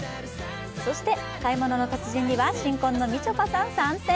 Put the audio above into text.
そして「買い物の達人」には新婚のみちょぱさん参戦。